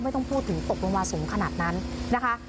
ไม่ต้องพูดถึงตกลงมาสูงขนาดนั้นนะคะ